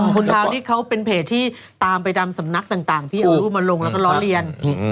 คุณดาวนี่เขาเป็นเพจที่ตามไปตามสำนักต่างที่เอารูปมาลงแล้วก็ล้อเลียน